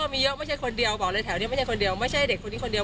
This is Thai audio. มีเยอะไม่ใช่คนเดียวบอกเลยแถวนี้ไม่ใช่คนเดียวไม่ใช่เด็กคนนี้คนเดียว